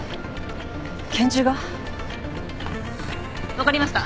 分かりました